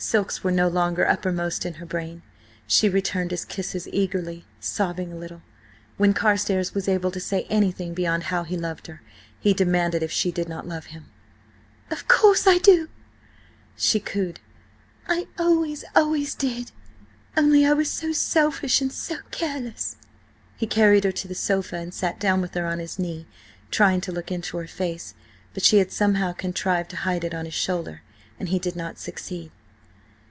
Silks were no longer uppermost in her brain. She returned his kisses eagerly, sobbing a little. When Carstares was able to say anything beyond how he loved her, he demanded if she did not love him? "Of course I do!" she cooed. "I always, always did, only I was so selfish and so careless!" He carried her to the sofa and sat down with her on his knee, trying to look into her face. But she had somehow contrived to hide it on his shoulder, and he did not succeed.